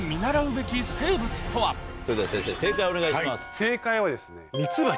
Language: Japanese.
それでは先生正解をお願いします。